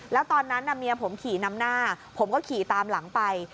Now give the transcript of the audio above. แล้วตอนนั้นเมียผมขี่นำหน้าผมก็ขี่ตามหลังไป